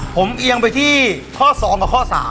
ผมเอียงไปที่ข้อ๒กับข้อ๓